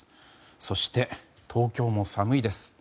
そして、東京も寒いです。